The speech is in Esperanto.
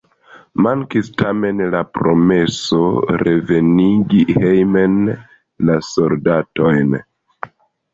Mankis tamen la promeso revenigi hejmen la soldatojn.